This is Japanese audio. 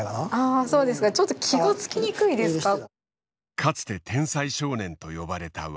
かつて天才少年と呼ばれた渡辺。